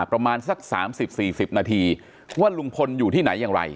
ประมาณสัก๓๐๔๐นาทีว่าลุงพลอยู่ที่ไหนอย่างไร